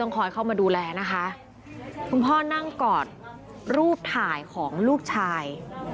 คอยเข้ามาดูแลนะคะคุณพ่อนั่งกอดรูปถ่ายของลูกชาย